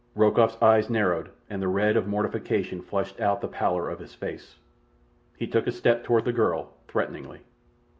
Rokoff's eyes narrowed, and the red of mortification flushed out the pallor of his face. He took a step toward the girl, threateningly.